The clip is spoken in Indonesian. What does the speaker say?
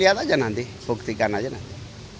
lihat aja nanti buktikan aja nanti